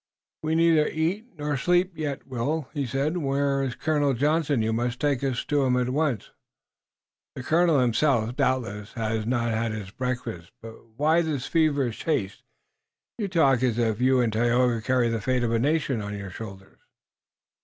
"We neither eat nor sleep yet, Will," he said. "Where is Colonel Johnson? You must take us to him at once!" "The colonel himself, doubtless, has not had his breakfast. But why this feverish haste? You talk as if you and Tayoga carried the fate of a nation on your shoulders."